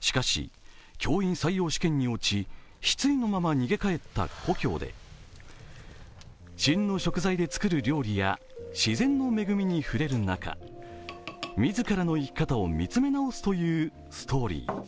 しかし、教員採用試験に落ち、失意のまま逃げ帰った故郷で旬の食材で作る料理や自然の恵みに触れる中自らの生き方を見つめ直すというストーリー。